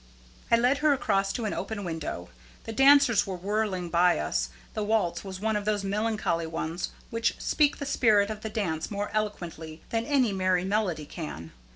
I led her across to an open window. The dancers were whirling by us. The waltz was one of those melancholy ones which speak the spirit of the dance more eloquently than any merry melody can.